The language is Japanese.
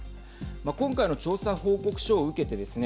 今回の調査報告書を受けてですね